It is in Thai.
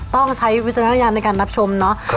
ต้องใช้วิธีรายันธรรมชั่นน้อย